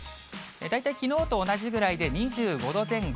大体きのうと同じぐらいで、２５度前後。